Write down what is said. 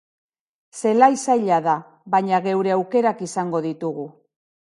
Zelai zaila da, baina geure aukerak izango ditugu.